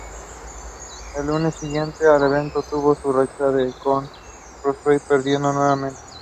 El lunes siguiente al evento, tuvo su revancha con Rusev perdiendo nuevamente.